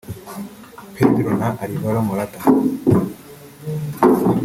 Pedro na Alvaro Morata